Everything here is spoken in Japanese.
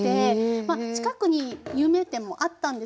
まあ近くに有名店もあったんですけど